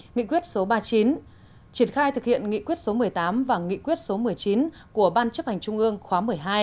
nghị quyết số ba mươi chín triển khai thực hiện nghị quyết số một mươi tám và nghị quyết số một mươi chín của ban chấp hành trung ương khóa một mươi hai